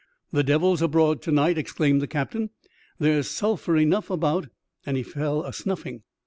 The devil's abroad to night !*' exclaimed the captain. '' There's sulphur enough about; " and he fell a snuffling.